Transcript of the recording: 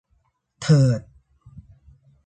เถิด